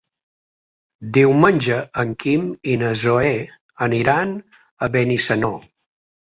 Diumenge en Quim i na Zoè aniran a Benissanó.